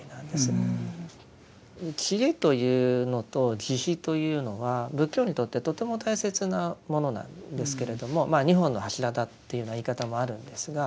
智慧というのと慈悲というのは仏教にとってとても大切なものなんですけれどもまあ二本の柱だっていうような言い方もあるんですが。